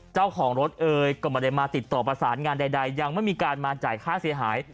เจ้าของรถเอยก็ไม่ได้มาติดต่อประสานงานใดยังไม่มีการมาจ่ายค่าเสียหาย